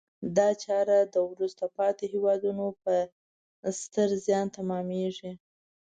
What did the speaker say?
دا چاره د وروسته پاتې هېوادونو په ستر زیان تمامیږي.